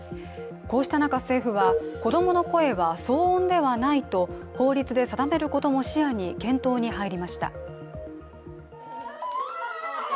こうした中、政府は子供の声は騒音ではないと法律で定めることも視野に検討に入りました。